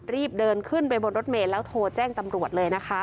รีบเดินขึ้นไปบนรถเมย์แล้วโทรแจ้งตำรวจเลยนะคะ